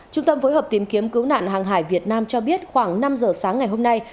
trung tâm phối hợp tìm kiếm cứu nạn hàng hải việt nam cho biết khoảng năm giờ sáng ngày hôm nay